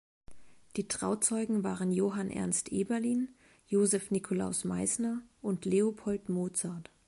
Die Trauzeugen waren Johann Ernst Eberlin, Josef Nikolaus Meissner und Leopold Mozart.